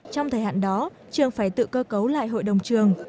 trong thời hạn đó trường phải tự cơ cấu lại hội đồng trường